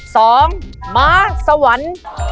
สองม้าสวรรค์